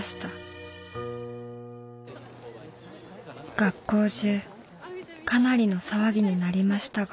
学校中かなりの騒ぎになりましたが